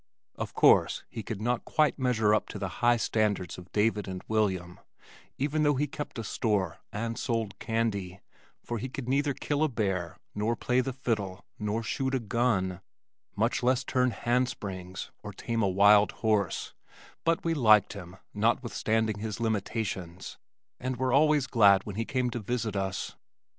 Of course he could not quite measure up to the high standards of David and William, even though he kept a store and sold candy, for he could neither kill a bear, nor play the fiddle, nor shoot a gun much less turn hand springs or tame a wild horse, but we liked him notwithstanding his limitations and were always glad when he came to visit us.